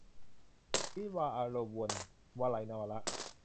วิวาห์อลวน - วลัย นวาระ